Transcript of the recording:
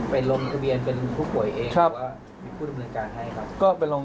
ลงทะเบียนเป็นผู้ป่วยเองหรือว่ามีผู้ดำเนินการให้ครับ